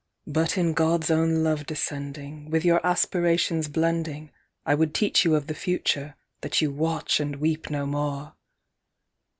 But in God s own love descending, With your aspirations blending, I would teach you of the future, that you watch and weep no more.